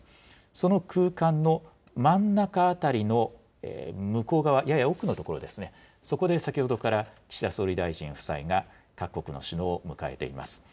その空間の真ん中辺りの向こう側、やや奥の所ですね、そこで先ほどから岸田総理大臣夫妻が各国の首脳を迎えています。